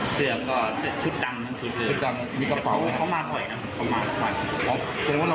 เสื้อนะ